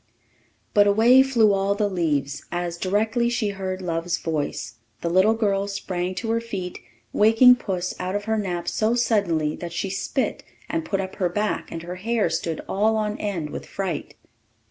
But away flew all the leaves, as, directly she heard Love's voice, the little girl sprang to her feet, waking puss out of her nap so suddenly that she spit, and put up her back, and her hair stood all on end with fright.